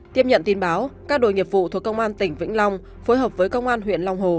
tiếp nhận tin báo các đội nghiệp vụ thuộc công an tỉnh vĩnh long phối hợp với công an huyện long hồ